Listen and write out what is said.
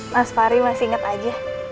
mas fahri masih ingat aja